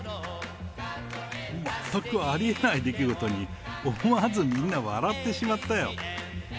全くありえない出来事に、思わずみんな、笑ってしまったよ。